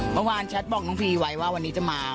เมื่อวานแชทบอกน้องพีไว้ว่าวันนี้จะมา